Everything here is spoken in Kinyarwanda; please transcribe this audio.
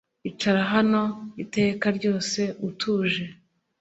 icara hano iteka ryose utuje